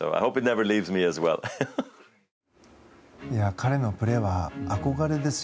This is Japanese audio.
彼のプレーは憧れですよ。